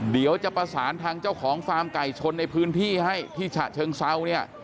เดี๋ยวจะประสานทางเจ้าของฟาร์มไก่ชนในพื้นที่ให้ที่ฉะเชิงเซาเนี่ย